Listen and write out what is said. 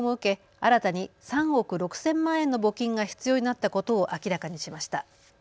新たに３億６０００万円の募金が必要になったことを明らかにしました。